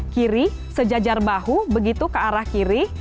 kiri sejajar bahu begitu ke arah kiri